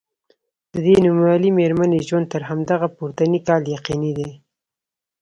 د دې نومیالۍ میرمنې ژوند تر همدغه پورتني کال یقیني دی.